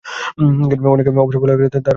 অনেকে অবশ্য বলেন তার কবিতা 'আকারসর্বস্ব'।